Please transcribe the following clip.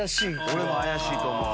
俺も怪しいと思う。